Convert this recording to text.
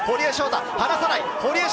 離さない！